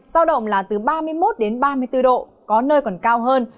do động là từ ba mươi một ba mươi bốn độ có nơi còn cao hơn